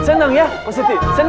seneng ya pos siti seneng